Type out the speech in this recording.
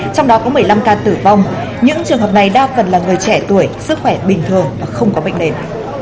trong đó có một mươi năm ca tử vong những trường hợp này đa phần là người trẻ tuổi sức khỏe bình thường và không có bệnh nền